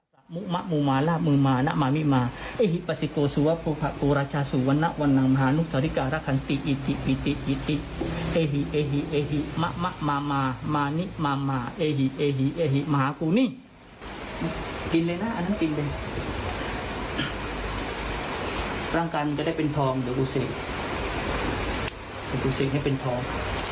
กลางกันจะได้เป็นทองเดี๋ยวกูเสร็จเดี๋ยวกูเสร็จให้เป็นทอง